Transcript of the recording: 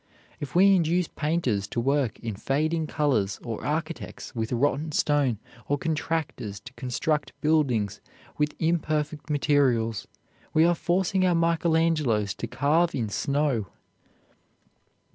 "If we induce painters to work in fading colors, or architects with rotten stone, or contractors to construct buildings with imperfect materials, we are forcing our Michael Angelos to carve in snow."